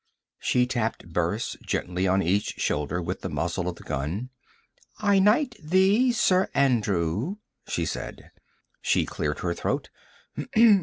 She tapped Burris gently on each shoulder with the muzzle of the gun. "I knight thee Sir Andrew," she said. She cleared her throat.